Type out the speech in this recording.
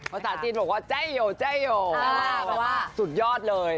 ภาษาจีนบอกว่าใจโยใจโยสุดยอดเลย